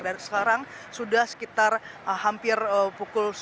dan sekarang sudah sekitar hampir pukul